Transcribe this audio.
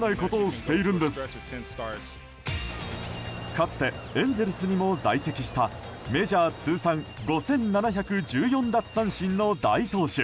かつてエンゼルスにも在籍したメジャー通算５７１４奪三振の大投手